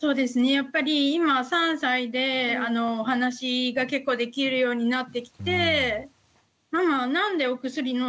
やっぱり今３歳でお話が結構できるようになってきて「ママは何でお薬飲んでるの？」